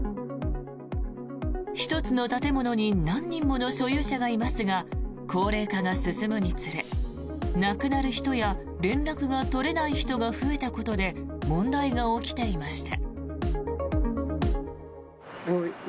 １つの建物に何人もの所有者がいますが高齢化が進むにつれ亡くなる人や連絡が取れない人が増えたことで問題が起きていました。